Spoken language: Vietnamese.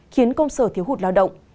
khiến công sở thiếu hụt lao động